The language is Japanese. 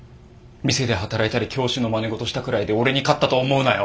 店で働いたり教師のまねごとしたくらいで俺に勝ったと思うなよ。